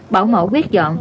một bảo mẫu quét dọn